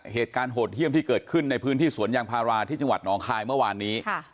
เหตุการณ์โหดเยี่ยมที่เกิดขึ้นในพื้นที่สวนยางพาราที่จังหวัดหนองคายเมื่อวานนี้